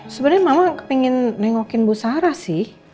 sebenarnya mama pengen nengokin bu sarah sih